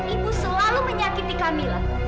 ibu selalu menyakiti kamila